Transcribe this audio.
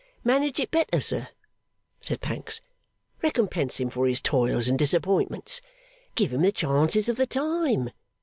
'Manage it better, sir,' said Pancks. 'Recompense him for his toils and disappointments. Give him the chances of the time.